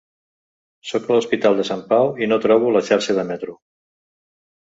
Sóc a l'Hospital de Sant Pau i no trobo la xarxa de metro!